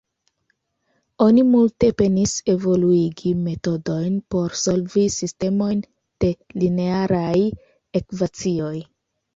Oni multe penis evoluigi metodojn por solvi sistemojn de linearaj ekvacioj.